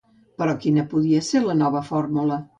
Però, quina podia ser la nova fórmula?